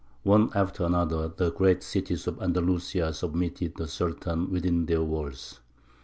One after another the great cities of Andalusia admitted the Sultan within their walls.